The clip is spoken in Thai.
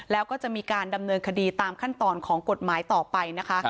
แล้วก็จะมีการดำเนินคดีตามขั้นตอนของกฎหมายต่อไปนะคะ